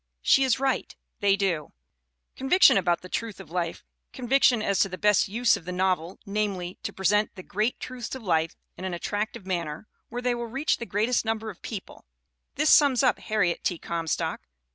She is right, they do. Conviction about the truth of life, conviction as to the best use of the novel, namely, "to present the great truths of life in an attractive manner, where they will reach the greatest number of people" this sums up Harriet T. Comstock.